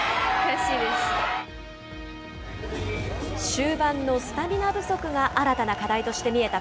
終盤のスタミナ不足が新たな課題として見えた